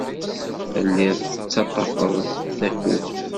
Telliḍ tettaḍḍafeḍ-d takurt.